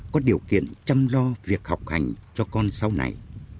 có điều kiện chăm lo việc học hành cho con sau này